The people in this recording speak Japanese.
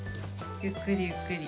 ゆっくりゆっくり。